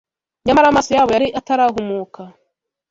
Nyamara amaso yabo yari atarahumuka!